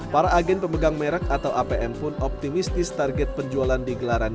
para agen pemegang merek atau apm pun optimistis target penjualan di gelaran